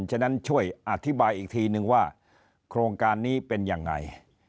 ฉะนั้นช่วยอธิบายอีกทีนึงว่าโครงการนี้เป็นยังไง